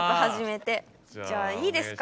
じゃあいいですか？